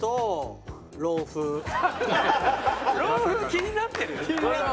気になってるまだ。